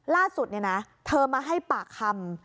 ล่าสุดเธอมาให้ปากคำ